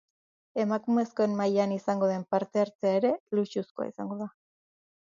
Emakumezkoen mailan izango den parte-hartzea ere luxuzkoa izango da.